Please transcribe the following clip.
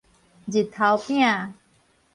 日頭餅